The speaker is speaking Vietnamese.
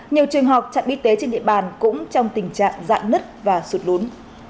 nhiều trường học chặn bí tế trên địa bàn cũng trong tình trạng dạn nứt và sụt lún